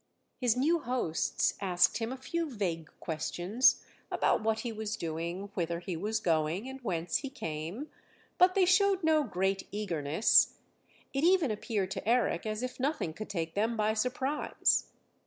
His new hosts asked him a few vague questions, about what he was doing, whither he was going, and whence he came; but they showed no great eagerness; it even appeared to Eric as if nothing could take them by surprise.